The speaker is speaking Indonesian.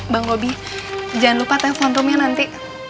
bang robi jangan lupa telepon rum ya nanti